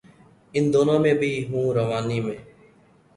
ان دنوں میں بھی ہوں روانی میں